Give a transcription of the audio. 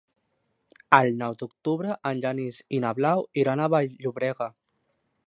El nou d'octubre en Genís i na Blau iran a Vall-llobrega.